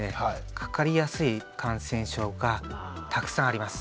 かかりやすい感染症がたくさんあります。